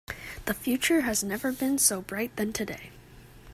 The future has never been so bright than today.